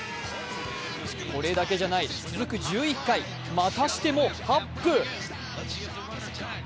これだけじゃない、続く１１回、またしてもハップ。